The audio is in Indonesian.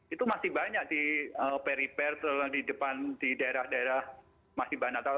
itu masih banyak di periper di depan di daerah daerah masjid banata